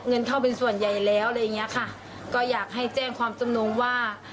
เงินเข้าเป็นส่วนใหญ่แล้วอะไรอย่างเงี้ยค่ะก็อยากให้แจ้งความจำนงว่า